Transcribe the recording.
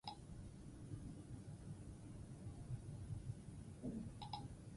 Osasunerako arriskutsua izan daiteke, gorputzak ur asko galtzen baitu.